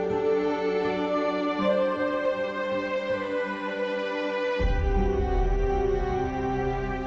bos kecil ini dong